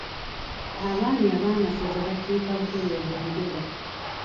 Abaami Ab'amasaza bakiika butereevu embuga.